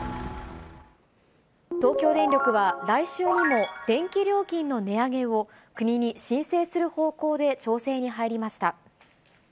東京電力は、来週にも、電気料金の値上げを国に申請する方向で調整に入りました。